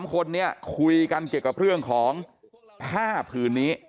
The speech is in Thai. ๓คนนี้คุยกันเกี่ยวกับเรื่องของผ้าผืนนี้